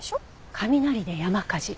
雷で山火事。